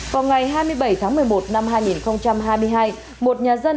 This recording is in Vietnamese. vào ngày hai mươi bảy tháng một mươi một năm hai nghìn hai mươi hai